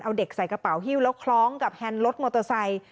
เอาเด็กใส่กระเป๋าฮิ้วแล้วคล้องกับแฮนด์รถมอเตอร์ไซค์